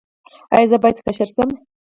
ایا زه باید کشر شم؟